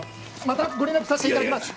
またご連絡さしていただきます。